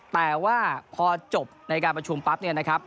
แต่ว่าพอจบในการประชุมปั๊บเนี่ยนะครับ